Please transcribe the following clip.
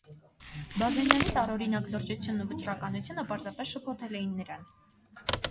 Բազենյանի տարօրինակ լրջությունն ու վճռականությունը պարզապես շփոթել էին նրան: